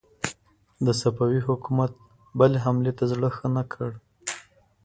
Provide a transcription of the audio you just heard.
او صفوي حکومت بلې حملې ته زړه ښه نه کړ.